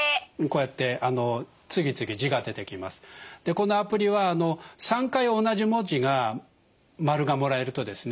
このアプリは３回同じ文字が○がもらえるとですね